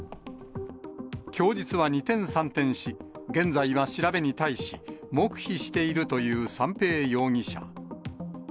供述は二転三転し、現在は調べに対し、黙秘しているという三瓶容疑者。